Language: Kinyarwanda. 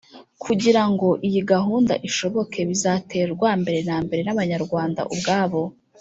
kugirango iyi gahunda ishoboke, bizaterwa mbere na mbere n'abanyarwanda ubwabo